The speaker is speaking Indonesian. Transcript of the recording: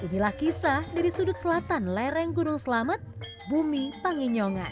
inilah kisah dari sudut selatan lereng gunung selamet bumi panginyongan